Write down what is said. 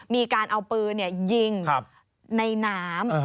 มีการเอาปืนยิงในน้ำ